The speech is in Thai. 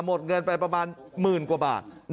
หมดเงินไปประมาณหมื่นกว่าบาท